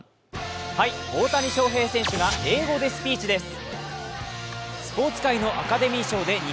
大谷翔平選手が英語でスピーチです。